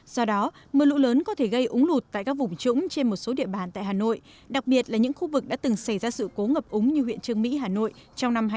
do đó mưa lũ lớn có thể gây úng lụt tại các vùng trũng trên một số địa bàn tại hà nội đặc biệt là những khu vực đã từng xảy ra sự cố ngập úng như huyện trương mỹ hà nội trong năm hai nghìn một mươi chín